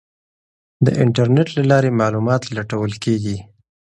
د انټرنیټ له لارې معلومات لټول کیږي.